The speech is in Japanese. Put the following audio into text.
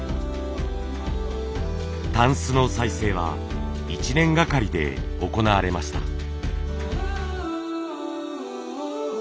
箪笥の再生は１年がかりで行われました。